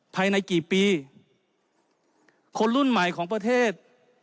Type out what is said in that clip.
ภายในกี่ปีคนรุ่นใหม่ของประเทศ